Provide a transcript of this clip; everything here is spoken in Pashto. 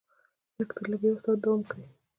لږ تر لږه یو ساعت دوام کوي.